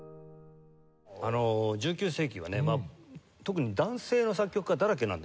１９世紀はね特に男性の作曲家だらけなんですよ。